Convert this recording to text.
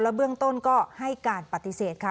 เบื้องต้นก็ให้การปฏิเสธค่ะ